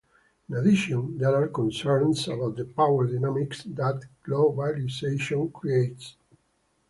In addition, there are concerns about the power dynamics that globalization creates.